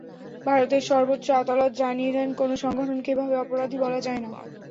ভারতের সর্বোচ্চ আদালত জানিয়ে দেন, কোনো সংগঠনকে এভাবে অপরাধী বলা যায় না।